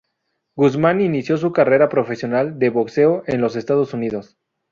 Guzmán inició su carrera profesional de boxeo en los Estados Unidos.